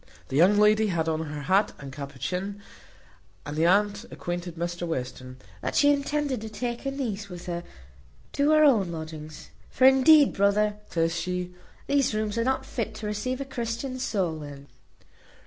The young lady had on her hat and capuchin, and the aunt acquainted Mr Western, "that she intended to take her niece with her to her own lodgings; for, indeed, brother," says she, "these rooms are not fit to receive a Christian soul in."